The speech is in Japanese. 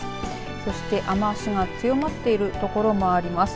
そして雨足が強まっているところもあります。